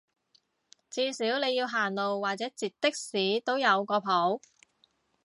至少你要行路或者截的士都有個譜